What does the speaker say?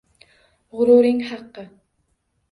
G’ururing haqqi.